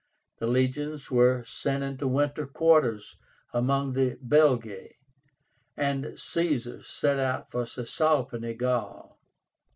The legions were sent into winter quarters among the Belgae, and Caesar set out for Cisalpine Gaul.